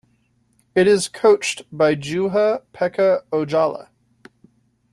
It is coached by Juha-Pekka Ojala.